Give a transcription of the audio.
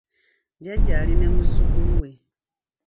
Jjajja ali ne muzzukulu we.